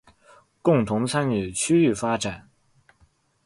共同參與區域發展